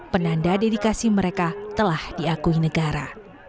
penanda dedikasi mereka telah diakui negara